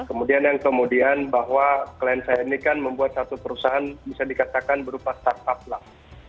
kemudian yang kemudian bahwa klien saya ini kan membuat satu perusahaan bisa dikatakan berupa startup lah